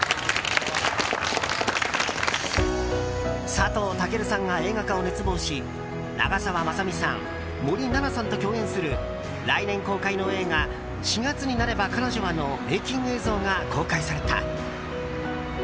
佐藤健さんが映画化を熱望し長澤まさみさん、森七菜さんと共演する来年公開の映画「四月になれば彼女は」のメイキング映像が公開された。